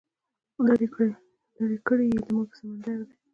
لرې کړی یې له موږه سمندر دی